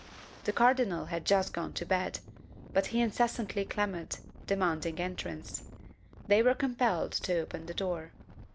The cardinal had just gone to bed; but he incessantly clamoured, demanding entrance; they were compelled to open the door.